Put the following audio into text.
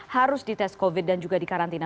harus di tes covid sembilan belas dan juga dikarantina